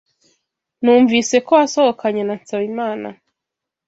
Numvise ko wasohokanye na Nsabimana.